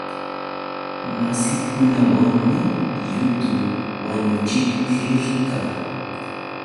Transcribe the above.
Massikunawanmi yutu wañuchiq rirqaa.